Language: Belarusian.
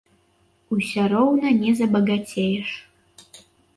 Усё роўна не забагацееш.